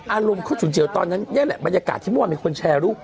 อารมณ์เขาฉุนเฉียวตอนนั้นนี่แหละบรรยากาศที่เมื่อวานมีคนแชร์รูป